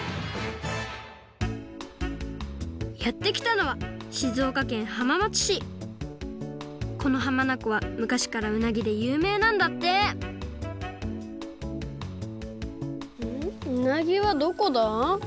やってきたのはこのはまなこはむかしからうなぎでゆうめいなんだってうなぎはどこだ？